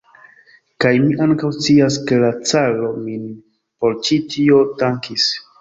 Kaj mi ankaŭ scias, ke la caro min por ĉi tio dankis.